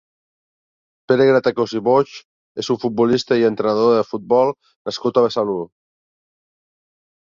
Pere Gratacòs Boix és un futbolista i entrenador de futbol nascut a Besalú.